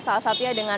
salah satunya dengan